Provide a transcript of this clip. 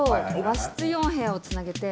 和室４部屋をつなげて。